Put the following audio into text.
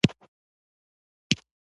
ساره په چلبازۍ کې لومړی مقام لري.